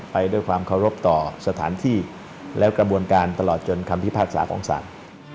ไปด้วยความเคารพต่อสถานที่และกระบวนการตลอดจนคำพิพากษาของศาล